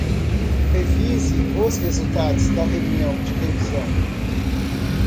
Revise os resultados da reunião de revisão